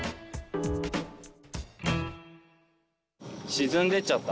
沈んでいっちゃった。